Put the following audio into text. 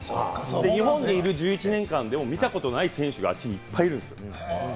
日本にいる１１年間でも見たことのない選手があっちにいっぱいいるんです。